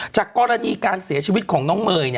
จากกรณีการเสียชีวิตของน้องเมย์